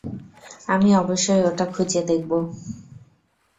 আমি অবশ্যই ওটা খুঁজে দেখব।